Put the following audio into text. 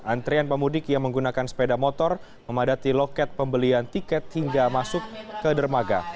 antrian pemudik yang menggunakan sepeda motor memadati loket pembelian tiket hingga masuk ke dermaga